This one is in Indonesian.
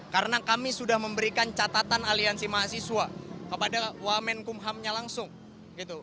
karena kami sudah memberikan catatan aliansi mahasiswa kepada wamenkumhamnya langsung gitu